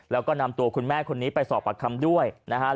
และนำตัวคุณแม่คนนี้ไปสอบปากคำด้วย